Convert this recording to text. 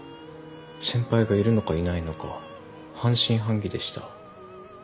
先輩がいるのかいないのか半信半疑でした。